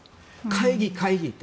会議、会議って。